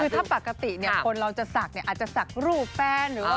คือถ้าปกติคนเราจะศักดิ์อาจจะสักรูปแฟน